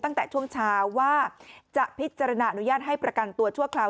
ตั้งแต่ช่วงเช้าว่าจะพิจารณาอนุญาตให้ประกันตัวชั่วคราว